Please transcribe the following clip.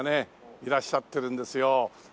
いらっしゃってるんですよ。